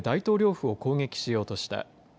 府を攻撃しようとした。